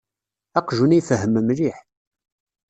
Aqjun-a ifehhem mliḥ.